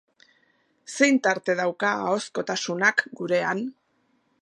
Zein tarte dauka ahozkotasunak gurean?